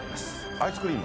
アイスクリーム？